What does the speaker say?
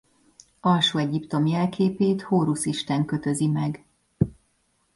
Alsó-Egyiptom jelképét Hórusz isten kötözi meg.